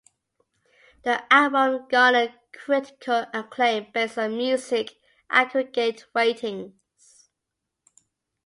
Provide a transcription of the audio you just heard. The album garnered critical acclaim based on music aggregate ratings.